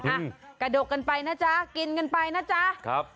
อ่ะกระดกกันไปนะจ๊ะกินกันไปนะจ๊ะครับ